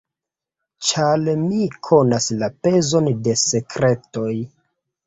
Ĉar mi konas la pezon de sekretoj.